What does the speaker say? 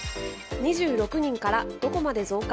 ２６人からどこまで増加？